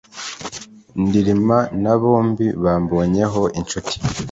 ndilima na bombi bambonye ho inshuti